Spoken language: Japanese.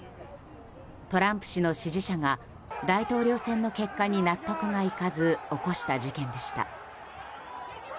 トランプ氏の支持者が大統領選の結果に納得がいかず起こした事件でした。